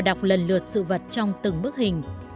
đọc lần lượt sự vật trong từng bức hình